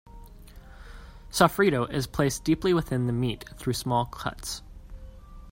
Sofrito is placed deeply within the meat through small cuts.